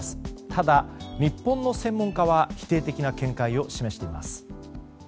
ただ、日本の専門家は否定的な見解を示しています。